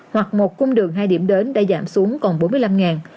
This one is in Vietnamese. hoặc một cung đường hai điểm đến đã giảm xuống còn bốn mươi năm